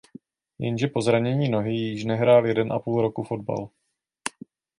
Jenže po zranění nohy již nehrál jeden a půl roku fotbal.